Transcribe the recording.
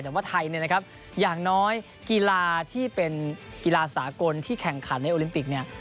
แต่ว่าไทยเนี่ยนะครับอย่างน้อยกีฬาที่เป็นกีฬาสากลที่แข่งขันในโอลิมปิกเนี่ย